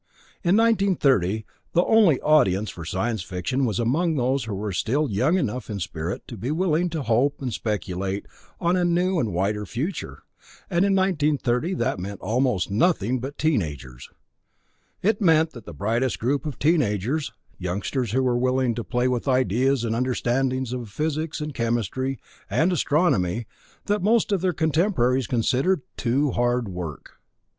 In 1930, the only audience for science fiction was among those who were still young enough in spirit to be willing to hope and speculate on a new and wider future and in 1930 that meant almost nothing but teen agers. It meant the brightest group of teen agers, youngsters who were willing to play with ideas and understandings of physics and chemistry and astronomy that most of their contemporaries considered "too hard work."